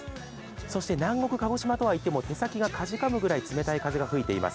そして南国・鹿児島とはいっても手先がかじかむぐらい冷たい風が吹いています。